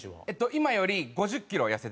今より５０キロ痩せてました。